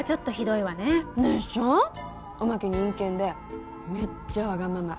おまけに陰険でめっちゃわがまま。